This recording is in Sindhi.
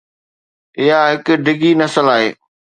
اها هڪ ڊگهي نسل آهي.